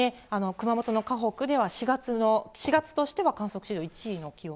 熊本の鹿北では、４月としては観測史上１位の記録と。